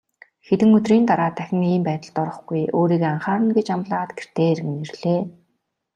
Хэдэн өдрийн дараа дахин ийм байдалд орохгүй, өөрийгөө анхаарна гэж амлаад гэртээ эргэн ирлээ.